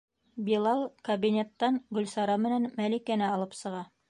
Билал кабинеттан Гөлсара менән Мәликәне алып сыға.